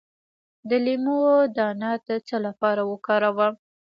د لیمو دانه د څه لپاره وکاروم؟